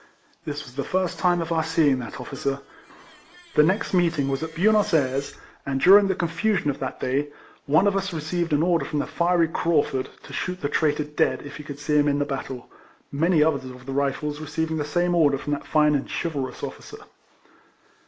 This was the first time of our seeing that officer. The next meeting was at Buenos Ayres, and during the confusion of that day one of us received an order from the fiery Craufurd to shoot the traitor dead if he could see him in the battle, many others of the Eifles receiving the same order from that fine and chivalrous officer.